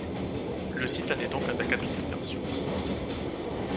Le site en est donc à sa quatrième version.